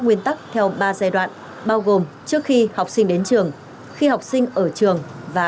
nguyên tắc theo ba giai đoạn bao gồm trước khi học sinh đến trường khi học sinh ở trường và